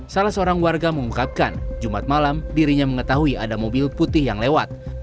salah seorang warga mengungkapkan jumat malam dirinya mengetahui ada mobil putih yang lewat